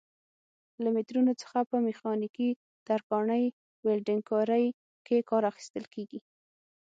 له مترونو څخه په میخانیکي، ترکاڼۍ، ولډنګ کارۍ کې کار اخیستل کېږي.